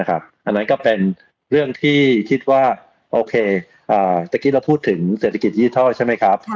อันนั้นก็เป็นเรื่องที่คิดว่าโอเคตะกี้เราพูดถึงเศรษฐกิจยี่ห้อใช่ไหมครับ